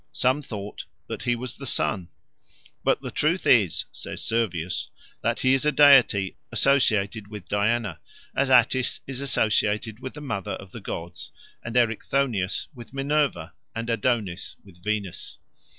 Some thought that he was the sun. "But the truth is," says Servius, "that he is a deity associated with Diana, as Attis is associated with the Mother of the Gods, and Erichthonius with Minerva, and Adonis with Venus."